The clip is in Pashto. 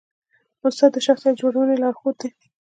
استاد د شخصیت جوړونې لارښود دی.